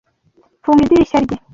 funga idirishya rye